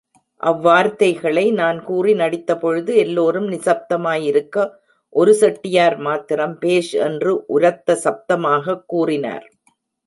அவ்வார்த்தைகளை நான் கூறி நடித்தபொழுது எல்லோரும் நிசப்பதமாயிருக்க, ஒரு செட்டியார் மாத்திரம் பேஷ் என்று உரத்த சப்தமாகக் கூறினார்.